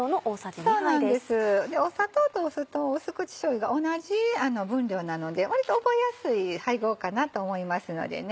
砂糖と酢と淡口しょうゆが同じ分量なので割と覚えやすい配合かなと思いますのでね。